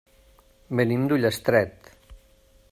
Venim d'Ullastret.